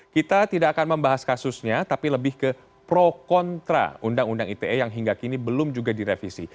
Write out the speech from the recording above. kita tidak akan membahas kasusnya tapi lebih ke pro kontra undang undang ite yang hingga kini belum juga direvisi